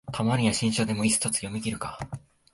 たまには新書でも一冊読みきるか